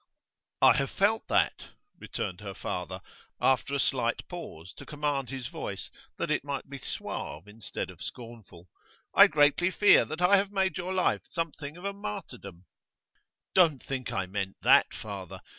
'I have felt that,' returned her father, after a slight pause to command his voice, that it might be suave instead of scornful. 'I greatly fear that I have made your life something of a martyrdom ' 'Don't think I meant that, father.